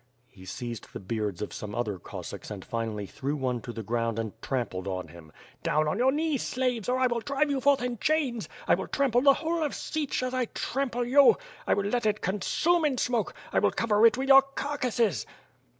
He seized the beards of some other Cossacks and finally threw one to the ground and trampled on him. "Down on your knees, slaves, or I will drive you forth in chains. I will trample the whole of Sich as I trample you. I will let it con sume in smoke! I will cover it with your carcasses."